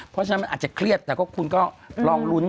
เพราะฉะนั้นมันอาจจะเครียดแต่ก็คุณก็ลองลุ้น